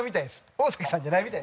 大崎さんじゃないみたい。